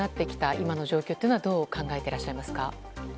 今の状況はどう考えていらっしゃいますか？